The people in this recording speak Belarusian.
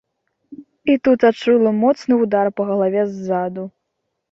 І тут адчула моцны ўдар па галаве ззаду.